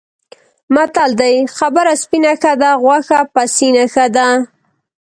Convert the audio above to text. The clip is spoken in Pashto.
متل دی: خبره سپینه ښه ده، غوښه پسینه ښه ده.